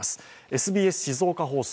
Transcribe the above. ＳＢＳ静岡放送